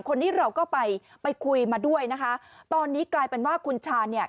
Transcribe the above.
คนนี้เราก็ไปไปคุยมาด้วยนะคะตอนนี้กลายเป็นว่าคุณชาญเนี่ย